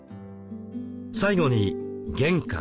最後に玄関。